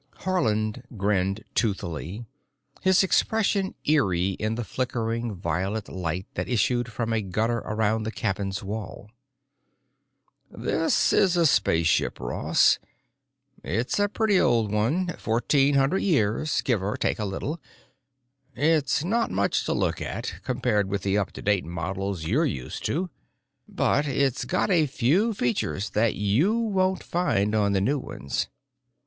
Haarland grinned toothily, his expression eerie in the flickering violet light that issued from a gutter around the cabin's wall. "This is a spaceship, Ross. It's a pretty old one—fourteen hundred years, give or take a little. It's not much to look at, compared with the up to date models you're used to, but it's got a few features that you won't find on the new ones.